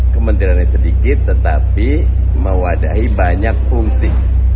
kementeriannya sedikit tetapi mewadahi banyak fungsi